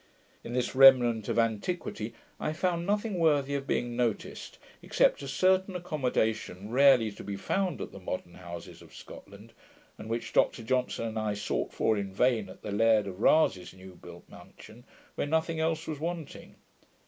In this remnant of antiquity I found nothing worthy of being noticed, except a certain accommodation rarely to be found at the modern houses of Scotland, and which Dr Johnson and I fought for in vain at the Laird of Rasay's new built mansion, where nothing else was wanting.